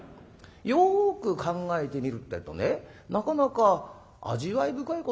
よく考えてみるってえとねなかなか味わい深い言葉ですよ。